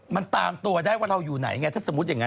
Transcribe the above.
มันตามตัวได้ว่าเราอยู่ไหนไงถ้าสมมุติอย่างนั้น